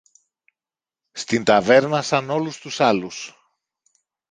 Στην ταβέρνα, σαν όλους τους άλλους.